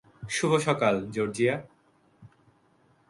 শুভ সকাল, জর্জিয়া।